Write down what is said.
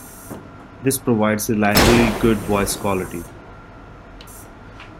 This provides reliably good voice quality.